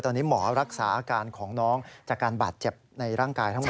ตอนนี้หมอรักษาอาการของน้องจากการบาดเจ็บในร่างกายทั้งหมด